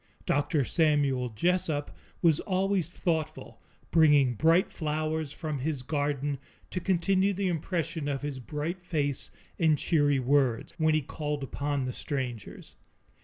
Dr. Samuel Jessup was always thoughtful, bringing bright flowers from his garden to continue the impression of his bright face and cheery words, when he called upon the strangers.